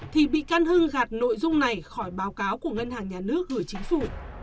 thì bị can hưng gạt nội dung này khỏi báo cáo của ngân hàng nhà nước gửi chính phủ